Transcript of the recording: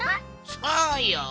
そうよ！